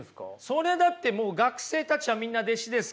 そりゃだってもう学生たちはみんな弟子ですから。